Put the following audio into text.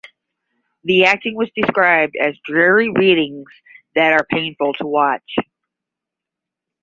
The acting was described as "dreary readings that are painful to watch".